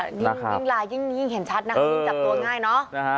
ยิ่งแหละยิ่งเห็นชัดนะเออโอ้ยยิ่งจับตัวง่ายเนอะนะฮะ